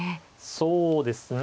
そうですね。